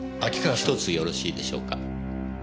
１つよろしいでしょうか？